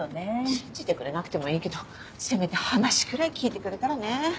信じてくれなくてもいいけどせめて話くらい聞いてくれたらね。